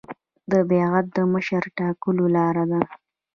بیعت د مشر ټاکلو لار ده